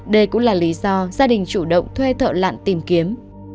đây cũng là lý do gia đình chủ động thuê thợ lặn tìm kiếm